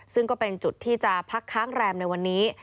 ซึ่งก็เป็นจุดที่จะพักค้างแรมในวันนี้